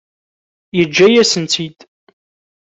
Yeǧǧa-yasent-tt-id.